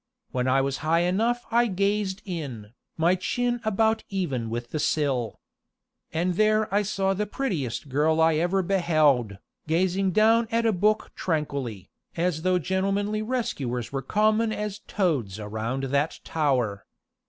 When I was high enough I gazed in, my chin about even with the sill. And there I saw the prettiest girl I ever beheld, gazing down at a book tranquilly, as though gentlemanly rescuers were common as toads around that tower.